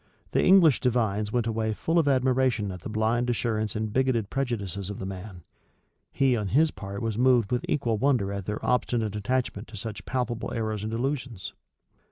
The English divines went away full of admiration at the blind assurance and bigoted prejudices of the man: he on his part was moved with equal wonder at their obstinate attachment to such palpable errors and delusions.